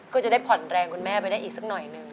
ก็จะได้ผ่อนแรงคุณแม่ไปได้อีกสักหน่อยหนึ่ง